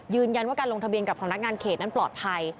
ยืนยันว่าการลงทะเบียนกับสำนักงานเขตนั้นปลอดภัย